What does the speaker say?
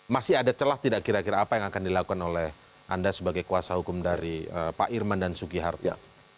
masih ada celah tidak kira kira apa yang akan dilakukan oleh anda sebagai kuasa hukum dari pak irman dan sugiharto